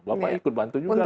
bapak ikut bantu juga